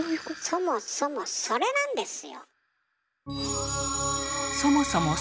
そもそもそれなんですよ。